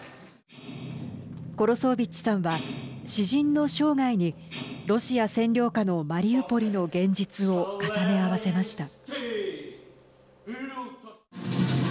コロソービッチさんは詩人の生涯にロシア占領下のマリウポリの現実を重ね合わせました。